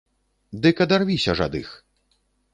Дык адарвіся ж ад іх!